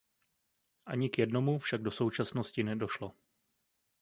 Ani k jednomu však do současnosti nedošlo.